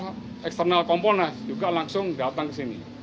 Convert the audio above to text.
nah eksternal komponas juga langsung datang ke sini